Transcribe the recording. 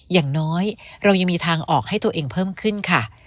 อย่างน้อยเรายังมีทางออกให้ตัวเองเพิ่มขึ้นค่ะ